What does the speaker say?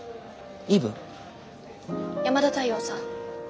山田太陽さん